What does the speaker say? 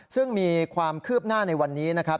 ซึ่งมีความคืบหน้าในวันนี้นะครับ